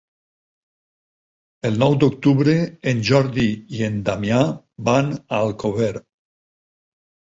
El nou d'octubre en Jordi i en Damià van a Alcover.